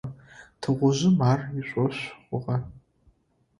Тыгъужъым ар ышӀошъ хъугъэ.